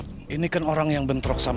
kita akan mencari penjelasan